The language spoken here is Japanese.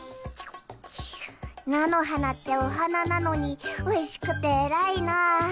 菜の花ってお花なのにおいしくてえらいな。